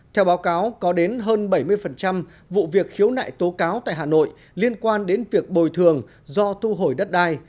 theo báo cáo có đến hơn bảy mươi vụ việc khiếu nại tố cáo tại hà nội liên quan đến việc bồi thường do thu hồi đất đai